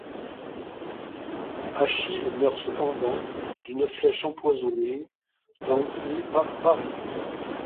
Achille meurt cependant d'une flèche empoisonnée lancée par Pâris.